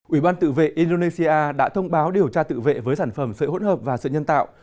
ủy ban tự vệ indonesia đã thông báo điều tra tự vệ với sản phẩm sợi hỗn hợp và sợi nhân tạo